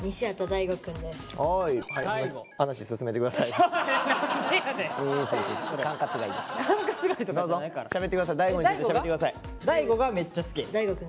大吾くんがめっちゃ好き。